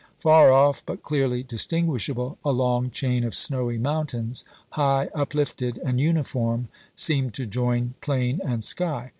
Far off, but clearly distinguishable, a long chain of snowy mountains, high uplifted and uniform, seemed to join plain and sky.